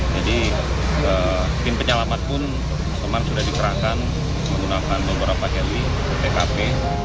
jadi tim penyelamat pun memang sudah dikerahkan menggunakan beberapa heli pkp